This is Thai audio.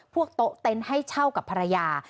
โต๊ะเต็นต์ให้เช่ากับภรรยา